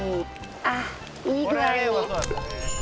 あっいい具合に。